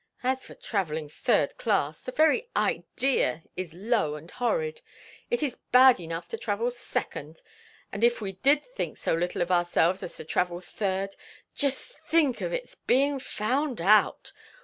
As for travelling third class—the very idea is low and horrid. It is bad enough to travel second, and if we did think so little of ourselves as to travel third—just think of its being found out!